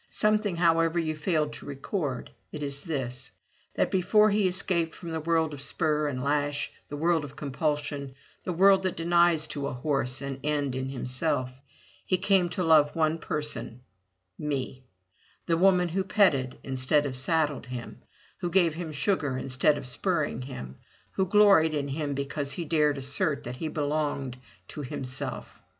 ''Something, however, you failed to record. It is this: that before he escaped from the world of spur and lash, the world of compulsion, the world that denies to a horse an end in himself, he came to love one person — me, the woman who petted instead of saddled him, who gave him sugar instead of spurring him, who gloried in him because he dared assert that he belonged to himself.